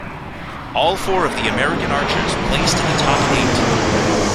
All four of the American archers placed in the top eight.